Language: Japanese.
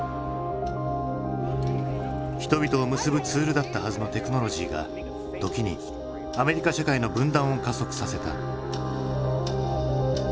人々を結ぶツールだったはずのテクノロジーが時にアメリカ社会の分断を加速させた。